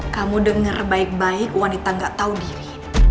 kamu dengar baik baik wanita gak tahu diri